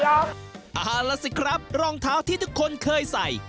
เอาล่ะสิครับรองเท้าที่ทุกคนเคยใส่